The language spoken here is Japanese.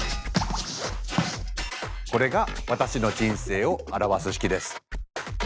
これが私の人生を表す式です。